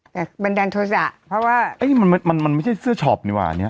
อ่าแต่บันดาลโทรศะเพราะว่าเอ้ยมันมันมันไม่ใช่เสื้อชอบนี่หว่าเนี้ย